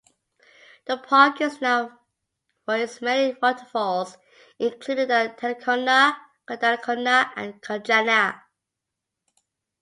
The park is known for its many waterfalls including the Talakona, Gundalakona and Gunjana.